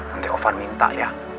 nanti ovan minta ya